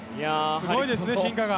すごいですね、進化が。